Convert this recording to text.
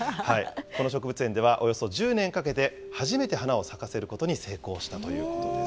この植物園ではおよそ１０年かけて、初めて花を咲かせることに成功したということです。